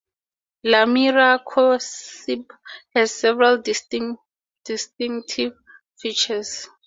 Lumiracoxib has several distinctive features.